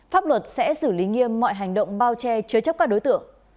pháp luật sẽ xử lý nghiêm mọi hành động bao che chứa chấp các đối tượng